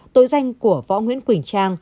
tội danh của võ nguyễn quỳnh trang